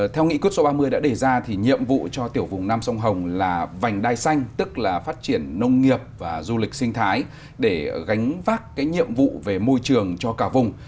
theo nghị quyết số ba mươi đã đề ra thì nhiệm vụ cho tiểu vùng nam sông hồng là vành đai xanh tức là phát triển nông nghiệp và du lịch sinh thái để gánh vác cái nhiệm vụ về môi trường cho cả vùng